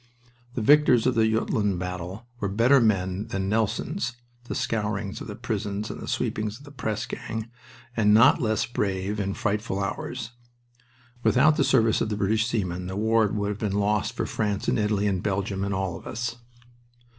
The victors of the Jutland battle were better men than Nelson's (the scourings of the prisons and the sweepings of the press gang) and not less brave in frightful hours. Without the service of the British seamen the war would have been lost for France and Italy and Belgium, and all of us.